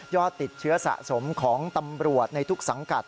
ติดเชื้อสะสมของตำรวจในทุกสังกัด